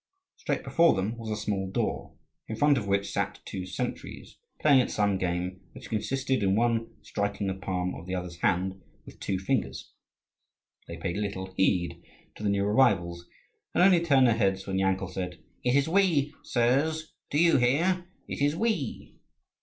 Straight before them was a small door, in front of which sat two sentries playing at some game which consisted in one striking the palm of the other's hand with two fingers. They paid little heed to the new arrivals, and only turned their heads when Yankel said, "It is we, sirs; do you hear? it is we."